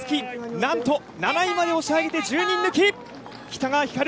何と７位まで押し上げて１０人抜き北川星瑠。